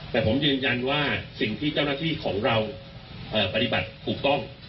แต่ผมยืนยันว่าสิ่งที่เจ้าหน้าที่ของเราปฏิบัติถูกต้อง